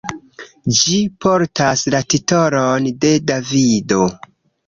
Ĝi portas la titolon: "De Davido.